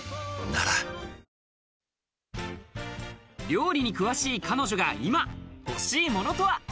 料理に詳しい彼女が今欲しいものとは。